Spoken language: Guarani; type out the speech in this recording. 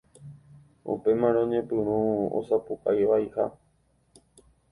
Upémarõ oñepyrũ osapukaivaipa.